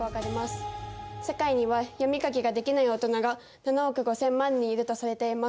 世界には読み書きができない大人が７億５，０００万人いるとされています。